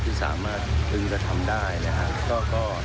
ที่สามารถพึงกระทำได้นะครับ